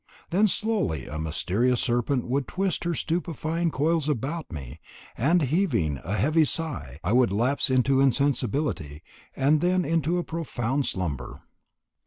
Then slowly a mysterious serpent would twist her stupefying coils about me; and heaving a heavy sigh, I would lapse into insensibility, and then into a profound slumber.